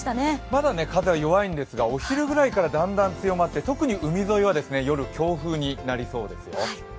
まだ風は弱いんですが、お昼ぐらいからだんだん強まってだんだん強まって特に夜海沿いは強風になにりそうですよ。